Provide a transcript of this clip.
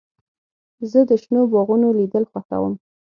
زه د شنو باغونو لیدل خوښوم.